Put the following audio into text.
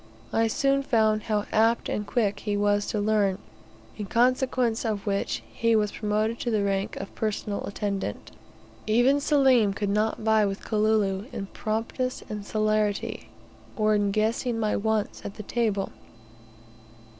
I soon found how apt and quick he was to learn, in consequence of which, he was promoted to the rank of personal attendant. Even Selim could not vie with Kalulu in promptness and celerity, or in guessing my wants at the table.